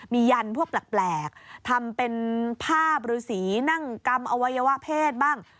มียันพวกแปลกทำเป็นภาพฤษีนั่งกำอวัยวะเพศบ้าง